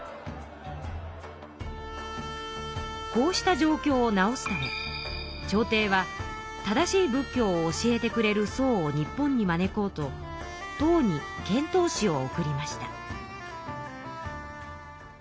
こうした状況を直すため朝廷は正しい仏教を教えてくれる僧を日本に招こうと唐に遣唐使を送りました。